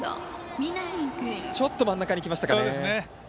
ちょっと真ん中にきましたかね。